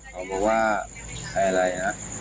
เขาบอกว่าไอ้อะไรนะ